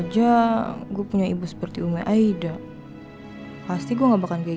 tapi dia yang siap menjadi madrasah cinta bagi anak anaknya